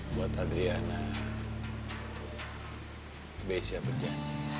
buat adriana be siap berjanji